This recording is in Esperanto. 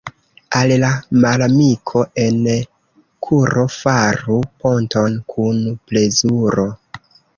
Al la malamiko en kuro faru ponton kun plezuro.